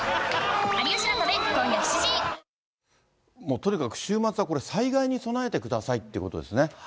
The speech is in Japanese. とにかく週末はこれ、災害に備えてくださいっていうことですね。